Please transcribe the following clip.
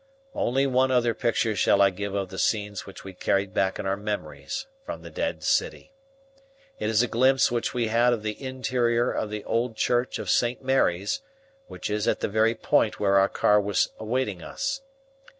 Only one other picture shall I give of the scenes which we carried back in our memories from the dead city. It is a glimpse which we had of the interior of the old church of St. Mary's, which is at the very point where our car was awaiting us.